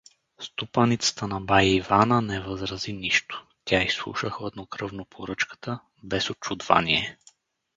Ступаницата на бай Ивана не възрази нищо; тя изслуша хладнокръвно поръчката, без учудвание.